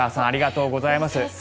ありがとうございます。